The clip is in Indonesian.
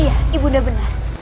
iya ibu benar